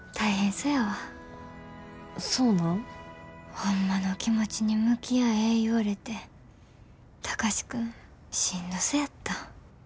ホンマの気持ちに向き合え言われて貴司君しんどそやった。